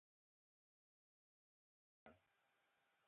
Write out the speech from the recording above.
O te tee minal.